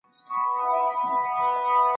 انصاف د ټولنیز عدالت لاسته راوړل دي.